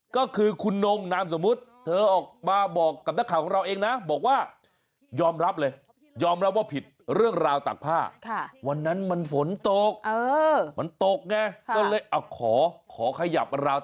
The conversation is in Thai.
ก็คือคุณนมนามสมมุติเธอออกมาบอกกับนักข่าวของเราเองนะบอกว่ายอมรับเลยยอมรับว่าผิดเรื่องราวตากผ้า